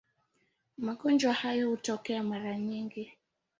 Magonjwa hayo hutokea mara nyingi.